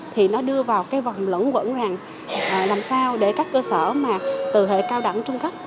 thì nó đưa vào cái vòng lẫn quẩn rằng làm sao để các cơ sở mà từ hệ cao đẳng trung cấp